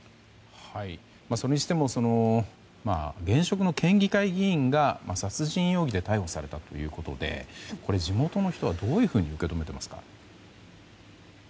それにしても現職の県議会議員が殺人容疑で逮捕されたということで地元の人はどういうふうに受け止めていますか。